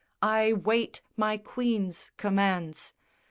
_I wait my Queen's commands!